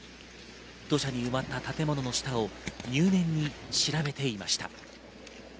土砂に埋まった建物の下を入念に調べていました。